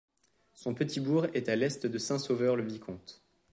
Son petit bourg est à à l'est de Saint-Sauveur-le-Vicomte.